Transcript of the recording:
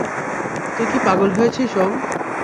তুই কি পাগল হয়েছিস ওম?